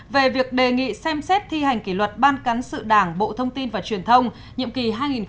về việc đề nghị xem xét thi hành kỷ luật ban cán sự đảng bộ thông tin và truyền thông nhiệm kỳ hai nghìn một mươi sáu hai nghìn một mươi sáu